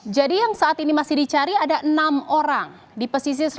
jadi yang saat ini masih dicari ada enam orang di pesisir selatan